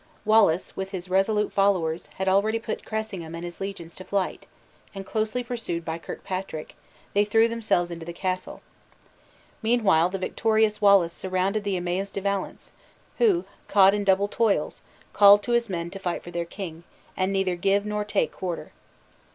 Wallace, with his resolute followers, had already put Cressingham and his legions to flight; and, closely pursued by Kirkpatrick, they threw themselves into the castle. Meanwhile, the victorious Wallace surrounded the amazed De Valence, who, caught in double toils, called to his men to fight for their king, and neither give nor take quarter.